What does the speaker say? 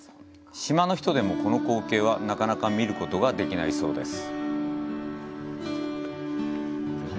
島の人でもこの光景はなかなか見ることができないそうです。